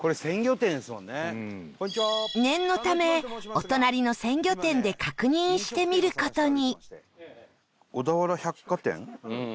念のためお隣の鮮魚店で確認してみる事に